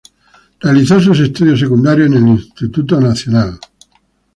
Realizó sus estudios secundarios en el Instituto Nacional.